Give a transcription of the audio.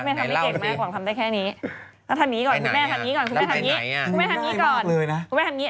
แม่ทำให้เก่งแม่กว่าทำได้แค่นี้